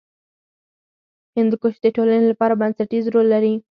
هندوکش د ټولنې لپاره بنسټیز رول لري.